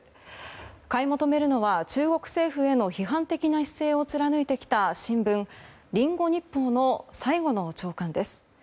買い求めるのは中国政府への批判的な姿勢を貫いてきた新聞、リンゴ日報の最後の朝刊です。